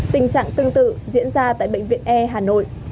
tình trạng tương tự diễn ra tại bệnh viện e hà nội